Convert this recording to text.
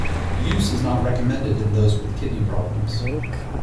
Use is not recommended in those with kidney problems.